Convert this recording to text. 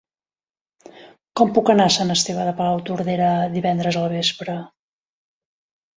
Com puc anar a Sant Esteve de Palautordera divendres al vespre?